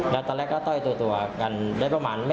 แล้วตอนแรกก็ต้อยตัวกันได้ประมาณ